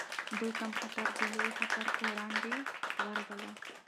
دوی کم خطر د لوی خطر پر وړاندې غوره وباله.